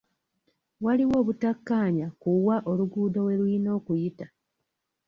Waliwo obutakkaanya ku wa oluguudo we lulina okuyita.